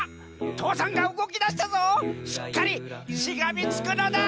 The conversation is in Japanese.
父山がうごきだしたぞしっかりしがみつくのだ！